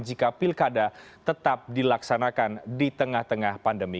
jika pilkada tetap dilaksanakan di tengah tengah pandemi